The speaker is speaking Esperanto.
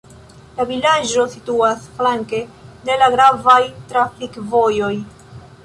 La vilaĝo situas flanke de la gravaj trafikvojoj.